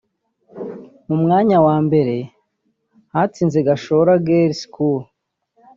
Ku mwanya wa mbere hatsinze Gashora Girls School